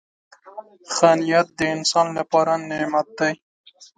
• ښه نیت د انسان لپاره نعمت دی.